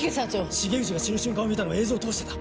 重藤が死ぬ瞬間を見たのは映像を通してだ。